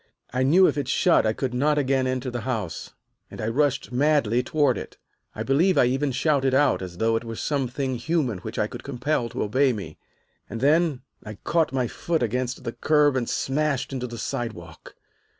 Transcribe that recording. I knew if it shut I could not again enter the house, and I rushed madly toward it. I believe I even shouted out, as though it were something human which I could compel to obey me, and then I caught my foot against the curb and smashed into the sidewalk.